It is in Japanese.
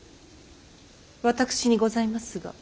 私にございますが。